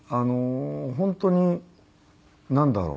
本当になんだろう？